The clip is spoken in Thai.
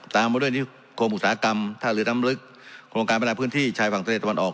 ตามว่าด้วยในโครงปรุกษากรรมถ้าหรือน้ำลึกโครงการพันธุ์พื้นที่ชายฝั่งทะเลตะวันออก